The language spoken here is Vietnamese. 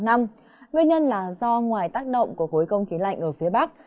nguyên nhân là do ngoài tác động của khối không khí lạnh ở phía bắc